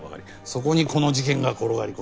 そこにこの事件が転がり込んできた。